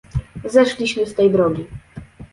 Zeszliśmy z tej drogi